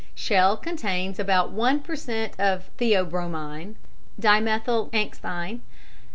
Shell contains about one per cent. of theobromine (dimethylxanthine).